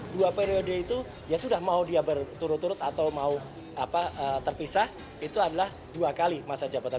dua periode itu ya sudah mau dia berturut turut atau mau terpisah itu adalah dua kali masa jabatan